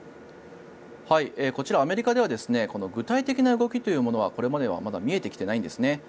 こちら、アメリカでは具体的な動きというものはこれまではまだ見えてきてないんです。